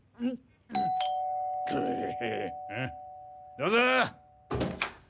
どうぞ。